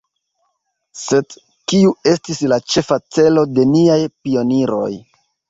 Sed kiu estis la ĉefa celo de niaj pioniroj?